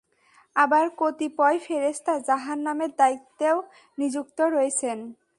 আবার কতিপয় ফেরেশতা জাহান্নামের দায়িত্বেও নিযুক্ত রয়েছেন।